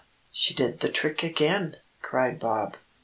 She did the trick again!" cried Bob.